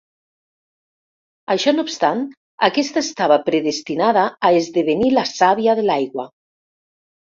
Això no obstant, aquesta estava predestinada a esdevenir la Sàvia de l'Aigua.